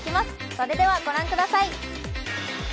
それではご覧ください。